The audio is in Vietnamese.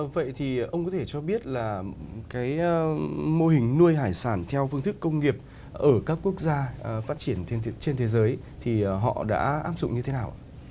vậy thì ông có thể cho biết là cái mô hình nuôi hải sản theo phương thức công nghiệp ở các quốc gia phát triển trên thế giới thì họ đã áp dụng như thế nào ạ